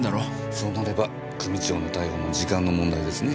そうなれば組長の逮捕も時間の問題ですね。